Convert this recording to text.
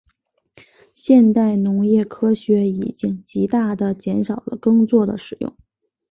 现代农业科学已经极大地减少了耕作的使用。